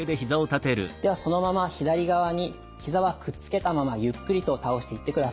ではそのまま左側にひざはくっつけたままゆっくりと倒していってください。